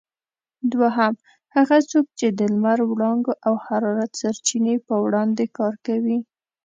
دوهم: هغه څوک چې د لمر وړانګو او حرارت سرچینې په وړاندې کار کوي؟